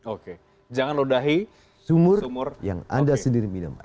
oke jangan lodahi sumur yang anda sendiri minum air